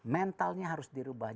mentalnya harus dirubah